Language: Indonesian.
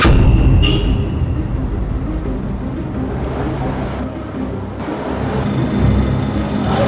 ibu gak apa apa bu